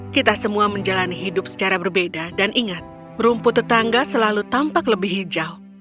kita semua menjalani hidup secara berbeda dan ingat rumput tetangga selalu tampak lebih hijau